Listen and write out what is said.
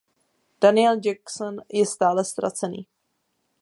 Daniel Jackson je stále ztracený.